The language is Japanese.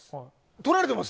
撮られてます。